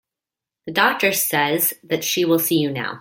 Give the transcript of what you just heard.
The doctor says that she will see you now.